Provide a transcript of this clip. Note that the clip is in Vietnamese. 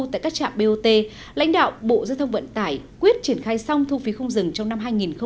trạm bot lãnh đạo bộ giao thông vận tải quyết triển khai xong thu phí không dừng trong năm hai nghìn một mươi chín